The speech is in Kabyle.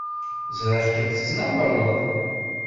Ẓriɣ-kem tettnawaleḍ.